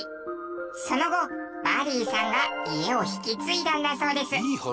その後バリーさんが家を引き継いだんだそうです。